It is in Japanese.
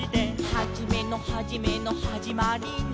「はじめのはじめのはじまりの」